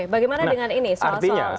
bagaimana dengan ini